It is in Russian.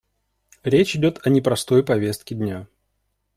Речь идет о непростой повестке дня.